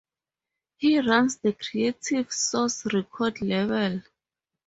He runs the Creative Source record label.